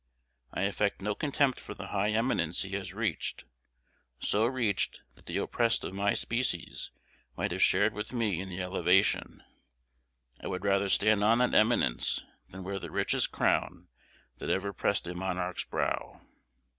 I affect no contempt for the high eminence he has reached, so reached that the oppressed of my species might have shared with me in the elevation, I would rather stand on that eminence than wear the richest crown that ever pressed a monarch's brow."